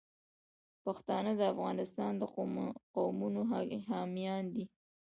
پښتانه د افغانستان د قومونو حامیان دي.